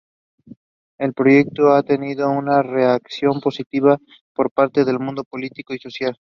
El proyecto ha tenido una reacción positiva por parte del mundo político y social.